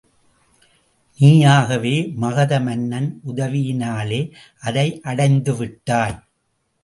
நீயாகவே மகத மன்னன் உதவியினாலே அதை அடைந்துவிட்டாய்.